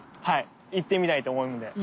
はい行ってみたいと思うので。